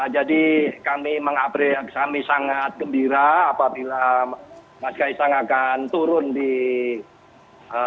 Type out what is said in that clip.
jadi kami sangat gembira apabila mas kaisang akan turun di terjadinya